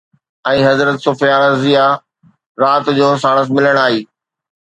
۽ حضرت صفيه رضه رات جو ساڻس ملڻ آئي